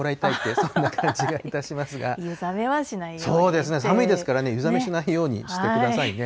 そうですね、寒いですからね、湯冷めしないようにしてくださいね。